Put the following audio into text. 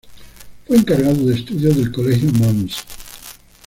Fue encargado de estudios del Colegio Mons.